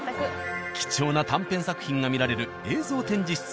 貴重な短編作品が観られる映像展示室